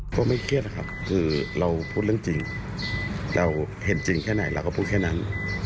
ก็ไม่เครียดนะครับคือเราพูดเรื่องจริงเราเห็นจริงแค่ไหนเราก็พูดแค่นั้น